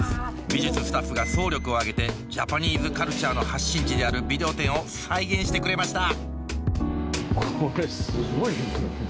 美術スタッフが総力を挙げてジャパニーズカルチャーの発信地であるビデオ店を再現してくれました